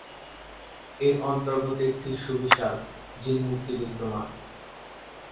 এর অন্তর্গত একটি সুবিশাল "জিন মুর্তি" বিদ্যমান।